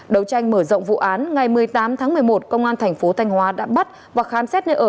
đấu tranh mở rộng vụ án ngày một mươi tám tháng một mươi một công an thành phố thanh hóa đã bắt và khám xét nơi ở